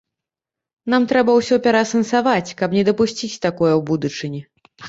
Нам трэба ўсё пераасэнсаваць, каб не дапусціць такое ў будучыні.